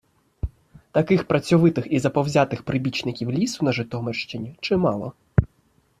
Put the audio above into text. Таких працьовитих і заповзятих прибічників лісу на Житомирщині чимало.